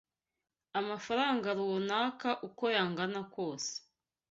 amafaranga runaka uko yangana kose.